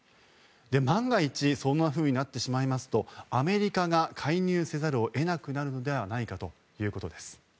万が一、そんなふうになってしまいますとアメリカが介入せざるを得なくなるのではないかということです。